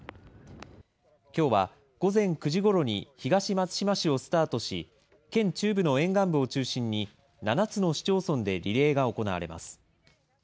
きょうは午前９時ごろに、東松島市をスタートし、県中部の沿岸部を中心に、７つの市町村でリレーが行われます。